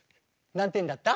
何点だった？